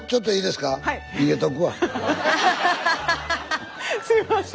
すいません